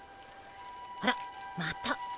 あらまた。